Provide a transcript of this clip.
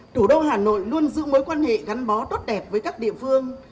thủ đô hà nội luôn giữ mối quan hệ gắn bó tốt đẹp với các địa phương